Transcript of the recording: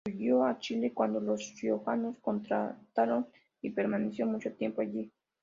Huyó a Chile cuando los riojanos contraatacaron, y permaneció mucho tiempo allí.